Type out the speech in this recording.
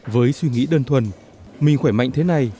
với suy nghĩ đơn thuần mình khỏe mạnh thế này